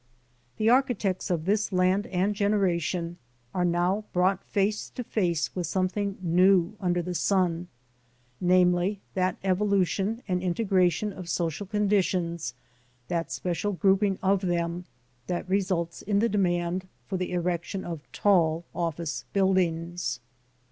THE architects of this land aud generation are now brought face to face with something new under the sun, ŌĆö namely, that evolution and integration of social conditions, that special grouping of them, that results in a demand for the erection of tall office buildings.